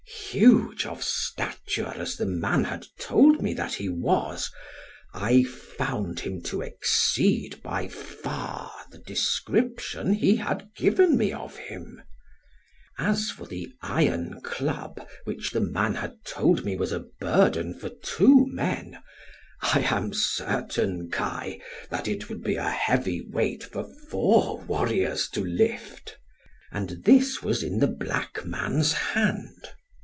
Huge of stature as the man had told me that he was, I found him to exceed by far the description he had given me of him. As for the iron club, which the man had told me was a burden for two men, I am certain, Kai, that it would be a heavy weight for four warriors to lift. And this was in the black man's hand.